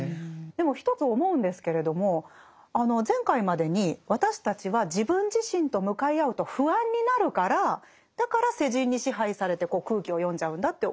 でも一つ思うんですけれども前回までに私たちは自分自身と向かい合うと不安になるからだから世人に支配されて空気を読んじゃうんだって教わりましたよね。